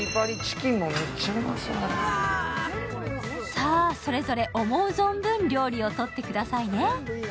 さあ、それぞれ思う存分、料理をとってくださいね。